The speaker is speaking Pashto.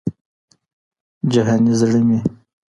جهاني زړه مي